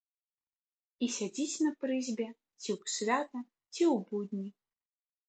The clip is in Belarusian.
І сядзіць на прызбе ці ў свята, ці ў будні.